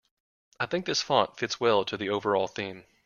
I think this font fits well to the overall theme.